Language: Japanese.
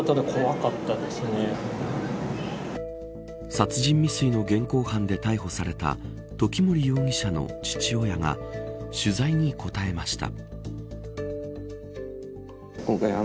殺人未遂の現行犯で逮捕された時森容疑者の父親が取材に答えました。